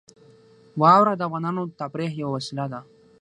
واوره د افغانانو د تفریح یوه وسیله ده.